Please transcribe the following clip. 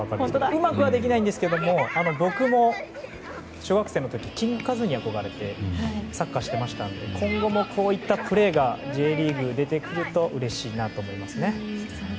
うまくはできないんですけども僕も小学生の時キングカズに憧れてサッカーしていましたんで今後もこういったプレーがＪリーグで出てくるとうれしいなと思います。